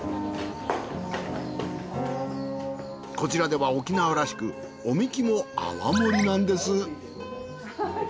こちらでは沖縄らしく御神酒も泡盛なんです。